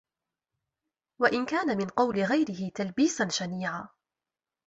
وَإِنْ كَانَ مِنْ قَوْلِ غَيْرِهِ تَلْبِيسًا شَنِيعًا